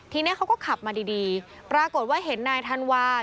ทีนี้เขาก็ขับมาดีปรากฏว่าเห็นนายธันวา